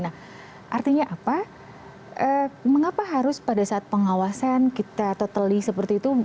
nah artinya apa mengapa harus pada saat pengawasan kita atau teli seperti itu